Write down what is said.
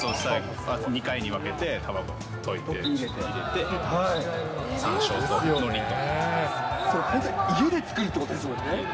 ２回に分けて卵を溶いて入れて、これ本当に家で作るってことですもんね。